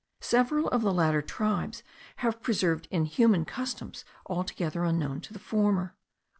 Several of the latter tribes have preserved inhuman customs altogether unknown to the former.